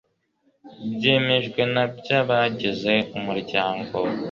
byemejwe na by abagize Umuryango